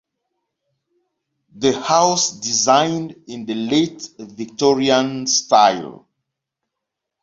The house designed in the Late Victorian style.